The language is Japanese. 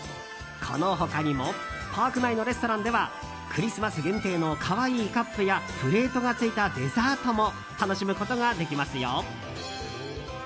この他にもパーク内のレストランではクリスマス限定の可愛いカップやプレートがついたデザートも楽しむことができますよ。